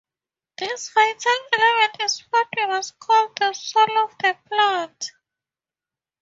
This vital element is what we must call the soul of the plant.